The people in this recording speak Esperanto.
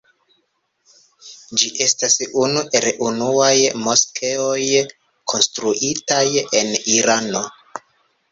Ĝi estas unu el unuaj moskeoj konstruitaj en Irano.